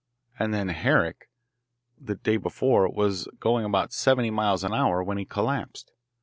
And then Herrick, the day before, was going about seventy miles an hour when he collapsed.